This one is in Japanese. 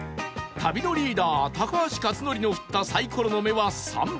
旅のリーダー高橋克典の振ったサイコロの目は「３」